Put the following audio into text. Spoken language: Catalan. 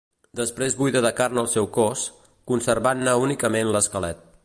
Després buida de carn el seu cos, conservant-ne únicament l'esquelet.